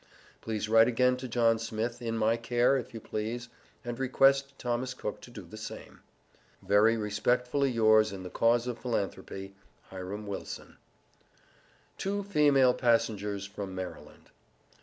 Please write again to John Smith, in my care, if you please, and request Thomas Cook to do the same. Very respectfully yours in the cause of philanthropy. HIRAM WILSON. TWO FEMALE PASSENGERS FEOM MARYLAND.